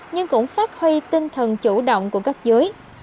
nhưng cũng phát huy tinh thần chủ động của các giới